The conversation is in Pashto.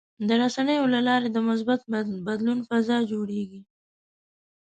د رسنیو له لارې د مثبت بدلون فضا جوړېږي.